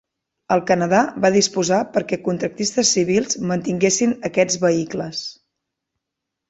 El Canadà va disposar perquè contractistes civils mantinguessin aquests vehicles.